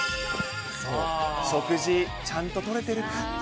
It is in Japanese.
食事、ちゃんととれてるか。